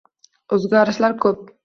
O`zgarishlar ko`p